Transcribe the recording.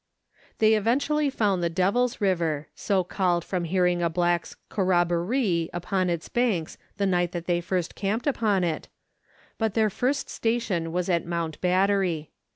They eventually found the Devil's River, so called from hearing a black's " corrobboree " upon its banks the night that they first camped upon it, but their first station was at Mount Battery.